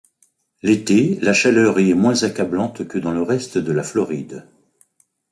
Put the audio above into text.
L'été, la chaleur y est moins accablante que dans le reste de la Floride.